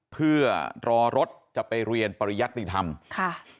เพื่อรอรถจะไปเรียนปริยัติธรรมค่ะ